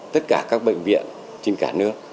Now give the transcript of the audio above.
tất cả các bệnh viện trên cả nước